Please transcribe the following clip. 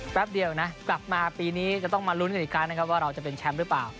แป๊บเดียวนะกลับมาปีนี้จะต้องมาลุ้นกันอีกครั้งนะครับว่าเราจะเป็นแชมป์หรือเปล่า